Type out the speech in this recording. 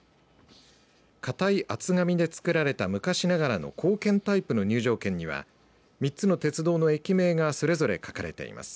硬い厚紙で作られた昔ながらの硬券タイプの入場券には、３つの鉄道の駅名がそれぞれ書かれています。